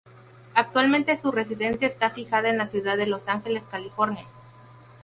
Actualmente su residencia está fijada en la ciudad de Los Ángeles, California.